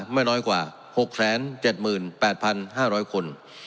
ไม่น้อยกว่า๖๗๘๕๐๐คน